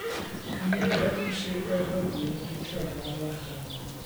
Cymuned yn Sir Gaerfyrddin ydy Treflan Lacharn.